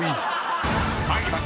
［参ります。